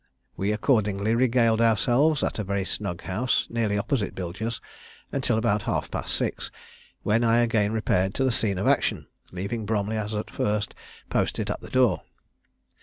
We accordingly regaled ourselves at a very snug house, nearly opposite Bilger's, until about half past six, when I again repaired to the scene of action, leaving Bromley, as at first, posted at the door.